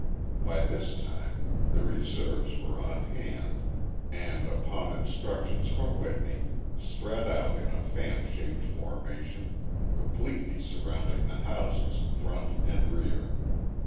By this time the reserves were on hand and, upon instructions from Whitney, spread out in a fan shaped formation, completely surrounding the houses, front and rear.